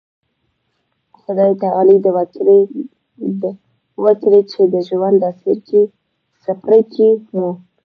خدای تعالی د وکړي چې د ژوند دا څپرکی مو